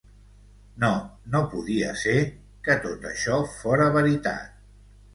No, no podia ser, que tot això fóra veritat.